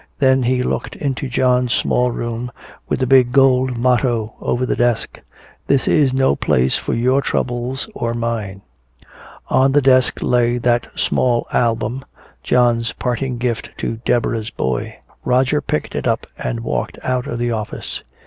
Then he looked into John's small room, with the big gold motto over the desk: "This is no place for your troubles or mine." On the desk lay that small album, John's parting gift to Deborah's boy. Roger picked it up and walked out of the office.